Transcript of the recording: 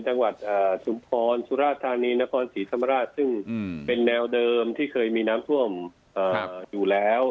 จังหวัดชุมพรสุราธานีนครศรีธรรมราชซึ่งเป็นแนวเดิมที่เคยมีน้ำท่วมอยู่แล้ว